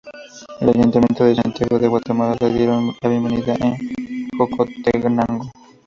El Ayuntamiento de Santiago de Guatemala le dieron la bienvenida en Jocotenango.